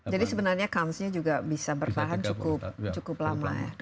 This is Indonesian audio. jadi sebenarnya kansnya juga bisa bertahan cukup lama